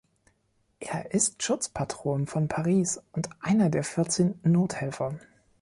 Er ist Schutzpatron von Paris und einer der Vierzehn Nothelfer.